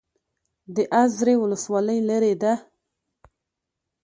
د ازرې ولسوالۍ لیرې ده